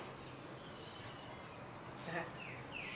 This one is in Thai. นะฮะ